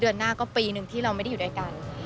เดือนหน้าก็ปีหนึ่งที่เราไม่ได้อยู่ด้วยกัน